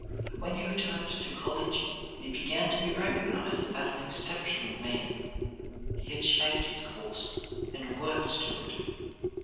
When he returned to college he began to be recognized as an exceptional man. He had shaped his course and worked to it.